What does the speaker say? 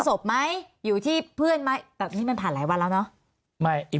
ศพไหมอยู่ที่เพื่อนไหมแต่นี่มันผ่านหลายวันแล้วเนอะไม่อีก